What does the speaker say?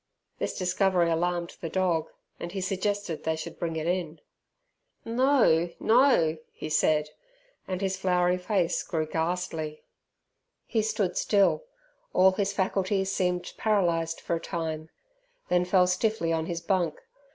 This discovery alarmed the dog, and he suggested they should bring it in. "No, no!" he said, and his floury face grew ghastly. He stood still; all his faculties seemed paralysed for a time, then fell stiffly on his bunk.